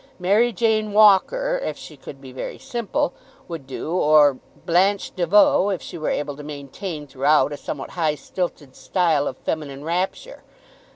"Mary Jane Walker," if she could be very simple, would do, or "Blanche De Veau," if she were able to maintain throughout a somewhat high stilted style of feminine rapture.